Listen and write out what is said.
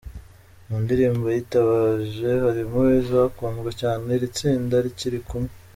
Mu ndirimbo yitabaje harimo izakunzwe cyane iri tsinda rikiri kumwe.